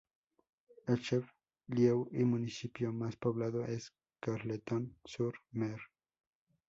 El chef-lieu y municipio más poblado es Carleton-sur-Mer.